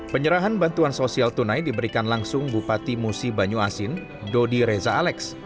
penyerahan bantuan sosial tunai diberikan langsung bupati musi banyu asin dodi reza alex